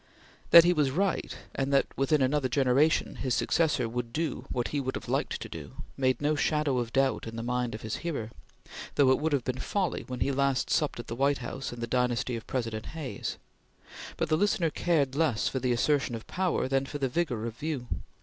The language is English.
That he was right, and that, within another generation, his successor would do what he would have liked to do, made no shadow of doubt in the mind of his hearer, though it would have been folly when he last supped at the White House in the dynasty of President Hayes; but the listener cared less for the assertion of power, than for the vigor of view.